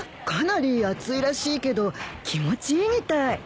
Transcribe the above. かなり熱いらしいけど気持ちいいみたい。